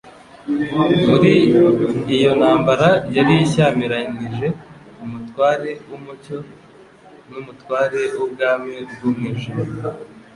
Muri iyo ntambara yari ishyamiranije Umutware w'umucyo n'umutware w'ubwami bw'umwijima,